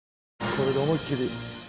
これで思いっ切り。